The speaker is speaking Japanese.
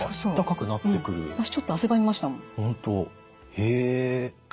へえ。